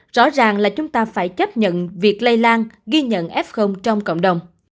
rõ ràng là chúng ta phải chấp nhận việc lây lan ghi nhận f trong cộng đồng